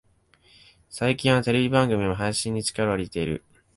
最近はテレビ番組も配信に力を入れてる